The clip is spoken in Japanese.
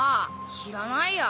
知らないや。